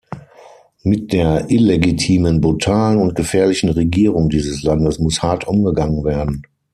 Mit der illegitimen, brutalen und gefährlichen Regierung dieses Landes muss hart umgegangen werden.